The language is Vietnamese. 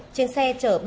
trên xe chở